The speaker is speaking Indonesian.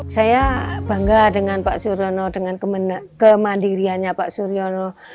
saya bangga dengan pak suryono dengan kemandiriannya pak suryono